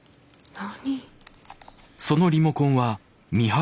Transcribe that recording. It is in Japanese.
何？